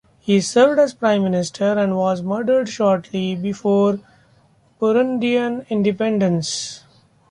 He served as prime minister and was murdered shortly before Burundian independence.